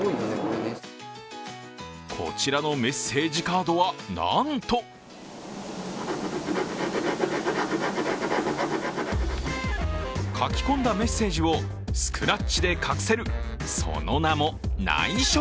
こちらのメッセージカードはなんと書き込んだメッセージをスクラッチで隠せるその名もないしょ